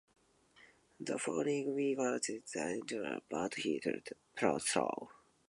The following weeks were challenging for John, but he pushed through.